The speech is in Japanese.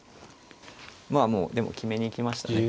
まあもうでも決めに行きましたね